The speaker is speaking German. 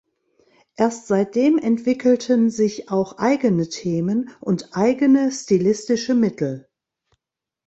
Erst seitdem entwickelten sich auch eigene Themen und eigene stilistische Mittel.